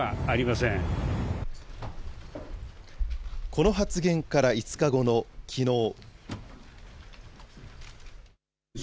この発言から５日後のきのう。